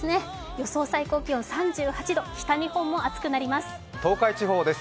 予想最高気温３８度、北日本も暑くなりそうです。